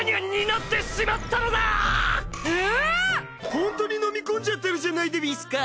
ホントに飲み込んじゃってるじゃないでうぃすか！